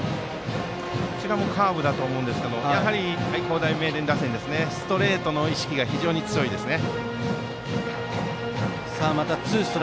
これもカーブだと思いますがやはり、愛工大名電打線はストレートの意識が非常に強いですね。